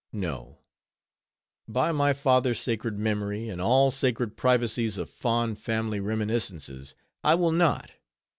No! by my father's sacred memory, and all sacred privacies of fond family reminiscences, I will not!